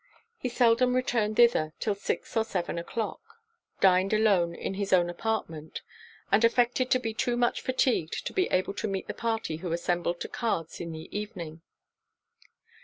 He seldom returned thither 'till six or seven o'clock; dined alone in his own apartment; and affected to be too much fatigued to be able to meet the party who assembled to cards in the evening.